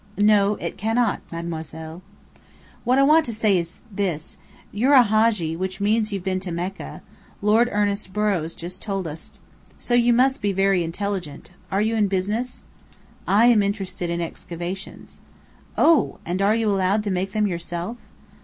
"No. It cannot, Mademoiselle." "What I want to say, is this. You're a Hadji, which means you've been to Mecca; Lord Ernest Borrow's just told us. So you must be very intelligent. Are you in business?" "I am interested in excavations." "Oh! And are you allowed to make them yourself?"